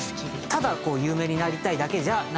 ただ有名になりたいだけじゃないぞと。